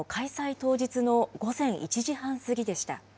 当日の午前１時半過ぎでした。